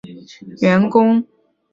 每项任务只被分配给一个员工。